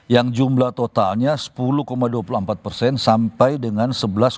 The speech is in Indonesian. yang jumlah totalnya sepuluh dua puluh empat persen sampai dengan sebelas empat puluh